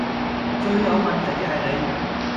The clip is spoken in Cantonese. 最有問題既係你